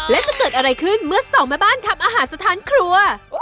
และจะเกิดอะไรขึ้นเมื่อสองแม่บ้านทำอาหารสถานครัว